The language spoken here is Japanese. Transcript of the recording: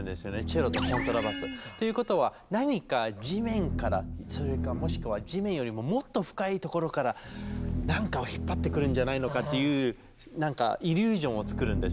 チェロとコントラバス。ということは何か地面からそれかもしくは地面よりももっと深い所からなんかを引っ張ってくるんじゃないのかっていうイリュージョンを作るんですよ